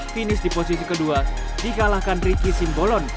finish di posisi kedua dikalahkan ricky simbolon